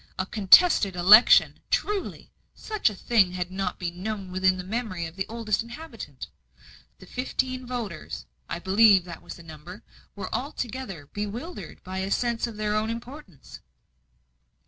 A contested election! truly, such a thing had not been known within the memory of the oldest inhabitant. The fifteen voters I believe that was the number were altogether bewildered by a sense of their own importance.